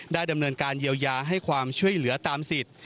ดำเนินการเยียวยาให้ความช่วยเหลือตามสิทธิ์